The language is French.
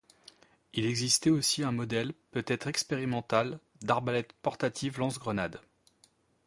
Il existait aussi un modèle, peut-être expérimental, d'arbalète portative lance-grenades.